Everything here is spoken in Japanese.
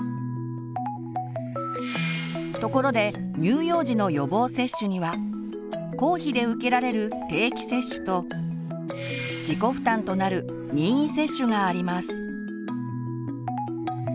ところで乳幼児の予防接種には公費で受けられる「定期接種」と自己負担となる「任意接種」があります。